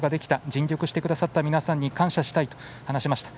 尽力してくださった皆さんに感謝したいと話しました。